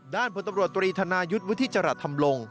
ด้านผู้ตำรวจบริธานายุทธิ์วิทย์จราชทำลง